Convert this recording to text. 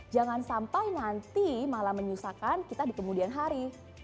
jangan sampai nanti malah menyusahkan kita di kemudian hari